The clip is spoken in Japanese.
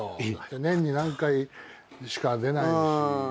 年に何回しか出ないし。